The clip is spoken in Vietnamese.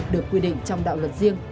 được quy định trong đạo luật riêng